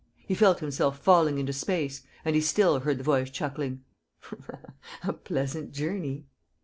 He felt himself falling into space and he still heard the voice chuckling: "A pleasant journey!"